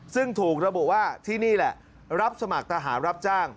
ซึ่งถูกระบุว่าที่นี่แหละรับสมัครทหารรับจ้าง